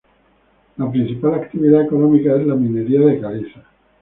La principal actividad económica es la minería de calizas.